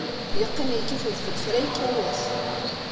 Yeqqim yekkat udfel kra yekka wass.